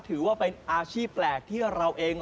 ถือว่าเป็นอาชีพแปลกที่เราเอง